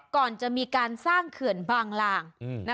ก่อนจะมีการสร้างเขื่อนบางลาง